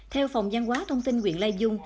theo phòng giang hóa thông tin huyện lai vung